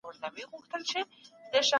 تاریخي نمونې ټولنپوهنې ته ډالۍ سوې.